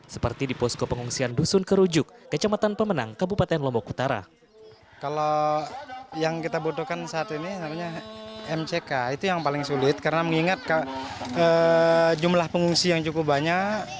seperti di posko pengungsian dusun kerujuk kecamatan pemenang kabupaten lombok utara